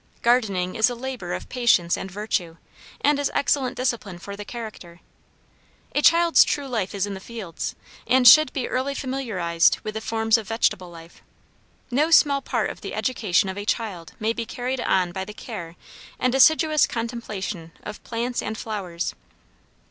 Gardening is a labor of patience and virtue, and is excellent discipline for the character. A child's true life is in the fields, and should be early familiarized with the forms of vegetable life. No small part of the education of a child may be carried on by the care and assiduous contemplation of plants and flowers.